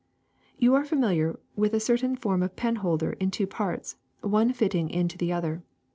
You are familiar with a certain form of penholder in two parts, one fitting into the other.